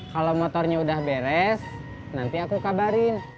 kalau motornya udah beres nanti aku kabarin